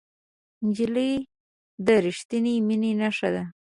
نجلۍ د رښتینې مینې نښه ده.